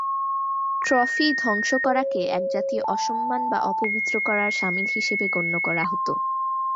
Trophy ধ্বংস করাকে একজাতীয় অসম্মান বা অপবিত্র করার সামিল হিসেবে গণ্য করা হতো।